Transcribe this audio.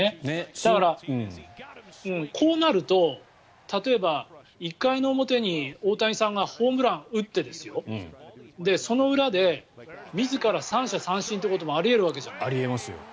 だから、こうなると例えば１回の表に大谷さんがホームランを打ってその裏で自ら３者三振ということもあり得ますよ。